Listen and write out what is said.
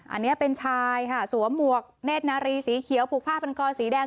อันนี้เป็นชายค่ะสวมหมวกเนธนารีสีเขียวผูกผ้าพันกอสีแดง